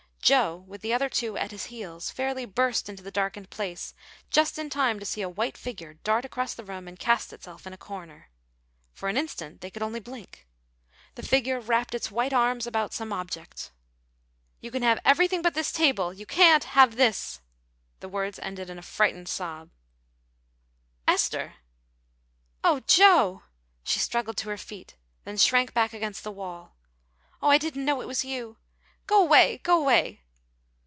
Joe, with the other two at his heels, fairly burst into the darkened place, just in time to see a white figure dart across the room and cast itself in a corner. For an instant they could only blink. The figure wrapped its white arms about some object. "You can have everything but this table; you can't have this." The words ended in a frightened sob. "Esther!" "Oh, Joe!" She struggled to her feet, then shrank back against the wall. "Oh, I didn't know it was you. Go 'way! go 'way!"